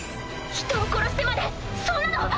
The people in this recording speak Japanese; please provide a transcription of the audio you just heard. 人を殺してまでそんなの！